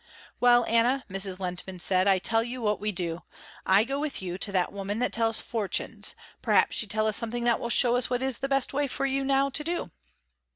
"Well Anna," Mrs. Lehntman said, "I tell you what we do. I go with you to that woman that tells fortunes, perhaps she tell us something that will show us what is the best way for you now to do."